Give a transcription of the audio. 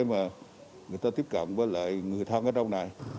và người ta tiếp cận với lại người tham gia đông này